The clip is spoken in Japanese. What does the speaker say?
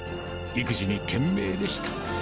育児に懸命でした。